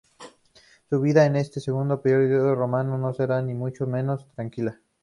Su vida en este segundo periodo romano no será, ni mucho menos, tranquila.